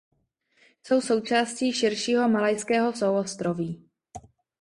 Jsou součástí širšího Malajského souostroví.